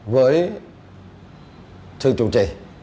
với thầy trụ trì